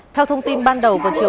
theo thông tin ban đầu vào chiều